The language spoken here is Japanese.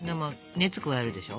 熱を加えるでしょ。